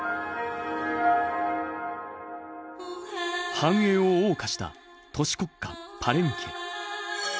繁栄をおう歌した都市国家パレンケ。